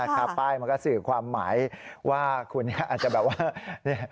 แล้วค้าป้ายมันก็สื่อความหมายว่าคุณเนี้ยอาจจะแบบว่า